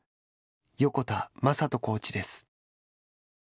横田真人コーチです。